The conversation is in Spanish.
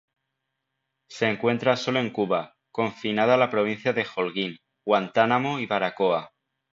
Se encuentra solo en Cuba, confinada a la Provincia de Holguín, Guantánamo y Baracoa.